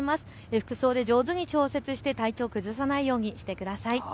服装で上手に調節して体調を崩さないようにしてください。